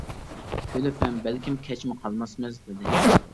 كۈلۈپ ھەم: بەلكىم كەچمۇ قالماسمىز دېدى.